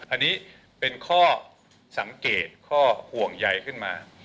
อันนี้เป็นข้อสังเกตข้อห่วงใยขึ้นมา